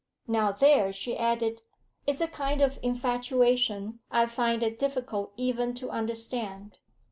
'Now there,' she added, 'is a kind of infatuation I find it difficult even to understand.